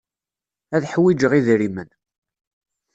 Ad ḥwijeɣ idrimen.